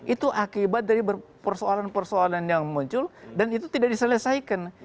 itu akibat dari persoalan persoalan yang muncul dan itu tidak diselesaikan